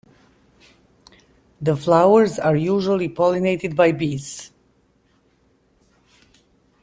The flowers are usually pollinated by bees.